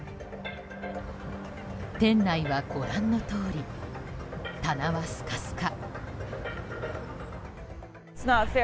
店内は、ご覧のとおり棚はスカスカ。